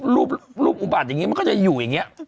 รูปอุบัติอย่างนี้มันก็จะอยู่อย่างนี้